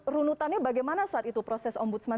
runutannya bagaimana saat itu proses ombudsman